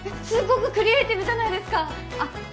すっごくクリエイティブじゃないですかあっ